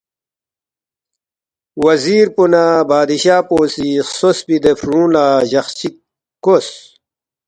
وزیر پو نہ بادشاہ پو سی خسوسفی دے فرُونگ لہ جق چِک کوس